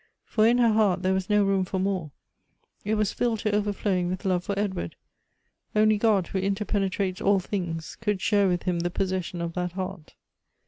For in her heart there was no room for more ; it was filled to overflowing with love for Edward ; only God, who interpenetrates all things, could share with him the possession of that heart.